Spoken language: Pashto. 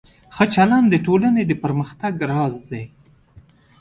ښه چلند د ټولنې د پرمختګ راز دی.